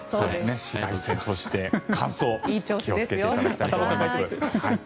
紫外線、そして乾燥気をつけていただきたいと思います。